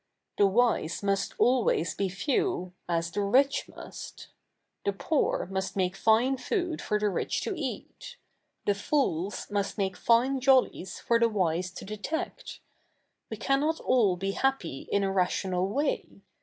The wise 77iust always be few, as the rich 7nust. The poor 77171 st make fine food for the rich to eat. The fools 7nust 7nake fi7ie follies for the wise to detect. We cannot all be happy in a ratio7ial way.